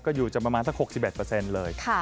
ก็อยู่จะประมาณสัก๖๑เลย